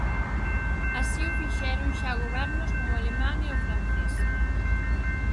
Así o fixeron xa gobernos como o alemán e o francés.